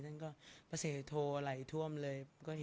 สงฆาตเจริญสงฆาตเจริญ